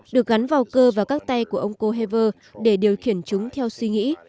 được gắn vào cơ và các tay của ông kohever để điều khiển chúng theo suy nghĩ